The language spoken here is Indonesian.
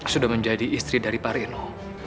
sudah menjadi istri dari pak reno